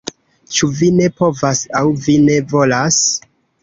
Ĉu vi ne povas, aŭ vi ne volas?